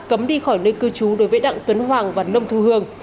cấm đi khỏi nơi cư trú đối với đặng tuấn hoàng và nông thu hương